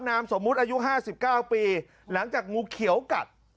นามสมมุติอายุ๕๙ปีหลังจากงูเขียวกัด